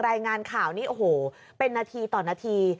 รายงานข่าวนี่โอ้โหเป็นนาทีต่อนาที